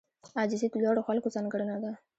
عاجزي د لوړو خلکو ځانګړنه ده.